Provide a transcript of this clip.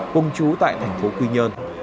cùng chú tại phòng khám ba mươi tám lê lợi